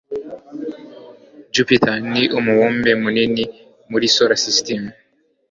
jupiter ni umubumbe munini muri solar system